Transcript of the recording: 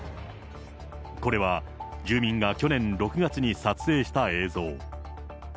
これは住民が去年６月に撮影した映像。